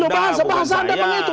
bahasa anda memang itu